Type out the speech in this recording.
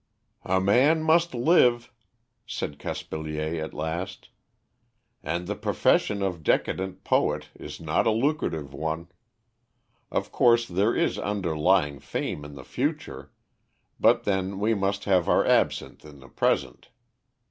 "A man must live," said Caspilier at last; "and the profession of decadent poet is not a lucrative one. Of course there is undying fame in the future, but then we must have our absinthe in the present.